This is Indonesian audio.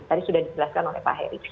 tadi sudah dijelaskan oleh pak heri